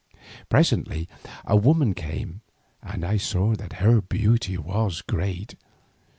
Presently a woman came and I saw that her beauty was great.